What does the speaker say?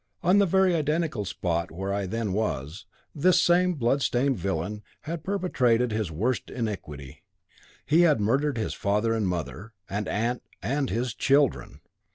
On the very identical spot where I then was, this same bloodstained villain had perpetrated his worst iniquity he had murdered his father and mother, and aunt, and his children.